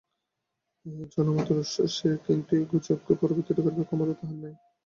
এই জনমতের উৎস সে, কিন্তু এ গুজবকে পরিবর্তিত করিবার ক্ষমতা তাহার নাই।